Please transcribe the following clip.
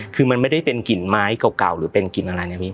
คือมันไม่ได้เป็นกลิ่นไม้เก่าหรือเป็นกลิ่นอะไรนะพี่